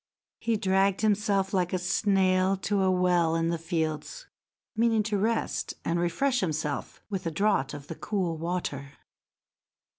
He dragged himself like a snail to a well in the fields, meaning to rest and refresh himself with a draught of the cool water.